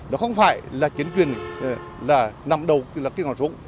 nó không phải là chiến quyền nằm đầu